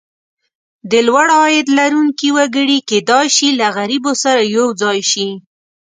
د لوړ عاید لرونکي وګړي کېدای شي له غریبو سره یو ځای شي.